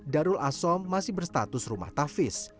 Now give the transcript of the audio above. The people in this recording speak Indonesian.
darul asom masih berstatus rumah tafis